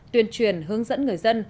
tuyên truyền hướng dẫn người dân